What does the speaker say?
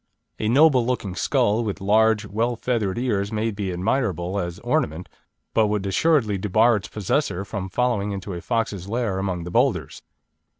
A noble looking skull, with large, well feathered ears may be admirable as ornament, but would assuredly debar its possessor from following into a fox's lair among the boulders.